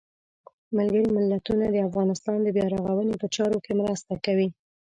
ملګري ملتونه د افغانستان د بیا رغاونې په چارو کې مرسته کوي.